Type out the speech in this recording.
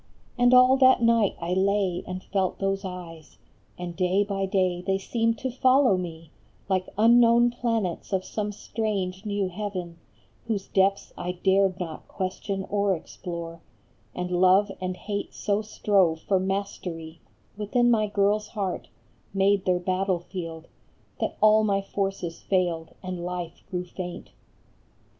And all that night I lay and felt those eyes, And day by day they seemed to follow me, Like unknown planets of some strange new heaven Whose depths I dared not question or explore ; And love and hate so strove for mastery Within my girl s heart, made their battle field, That all my forces failed and life grew faint.